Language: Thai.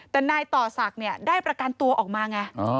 แต่นายต่อศักดิ์เนี่ยได้ประกันตัวออกมาไง